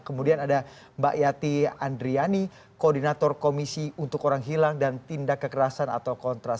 kemudian ada mbak yati andriani koordinator komisi untuk orang hilang dan tindak kekerasan atau kontras